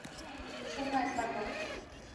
শোনো একবার কথা!